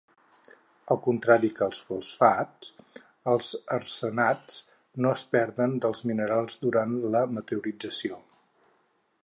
Al contrari que els fosfats, els arsenats no es perden dels minerals durant la meteorització.